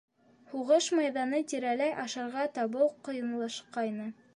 Һуғыш майҙаны тирәләй ашарға табыу ҡыйынлашҡайны.